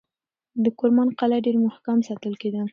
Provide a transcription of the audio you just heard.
د کرمان قلعه ډېر محکم ساتل کېده.